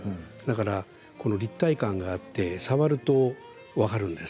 立体感があって触ると分かるんです。